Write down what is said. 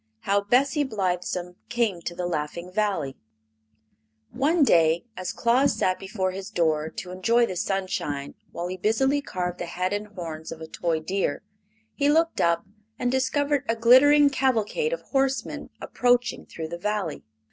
How Bessie Blithesome Came to the Laughing Valley One day, as Claus sat before his door to enjoy the sunshine while he busily carved the head and horns of a toy deer, he looked up and discovered a glittering cavalcade of horsemen approaching through the Valley.